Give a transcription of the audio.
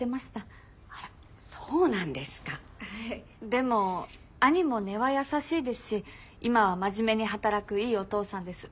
でも兄も根は優しいですし今は真面目に働くいいお父さんです。